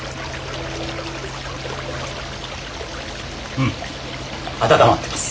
うん温まってます。